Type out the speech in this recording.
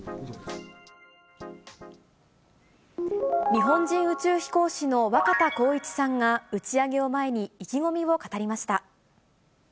日本人宇宙飛行士の若田光一さんが打ち上げを前に、意気込みを語りました。